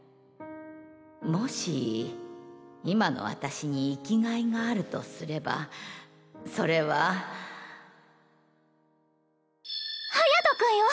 もし今の私に生きがいがあるとすればそれは隼君よ！